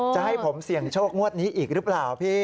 จะให้ผมเสี่ยงโชคงวดนี้อีกหรือเปล่าพี่